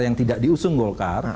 yang tidak diusung golkar